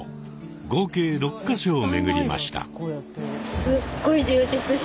合計６か所を巡りました。